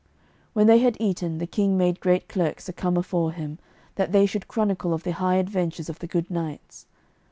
When they had eaten, the King made great clerks to come afore him, that they should chronicle of the high adventures of the good knights.